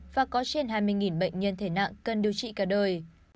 và có trên hai mươi bệnh nhân thể nặng cần điều trị cả đời